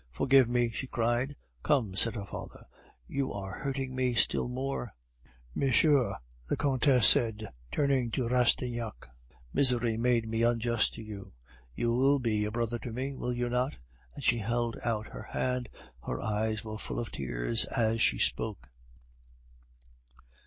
"Forgive me!" she cried. "Come," said her father, "you are hurting me still more." "Monsieur," the Countess said, turning to Rastignac, "misery made me unjust to you. You will be a brother to me, will you not?" and she held out her hand. Her eyes were full of tears as she spoke.